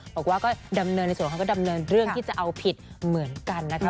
บอกว่าก็ดำเนินในส่วนของเขาก็ดำเนินเรื่องที่จะเอาผิดเหมือนกันนะคะ